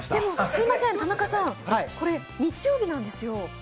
すみません、田中さん、これ日曜日なんですよ。